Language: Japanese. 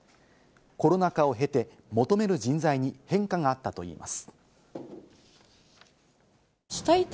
コロナ禍を経て、求める人材に変化があったといいます。